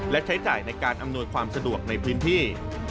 และใช้จ่ายในการอำนวยความสะดวกในพื้นที่